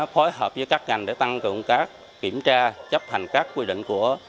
phối hợp với các ngành để tăng cường các kiểm tra chấp hành các quy định của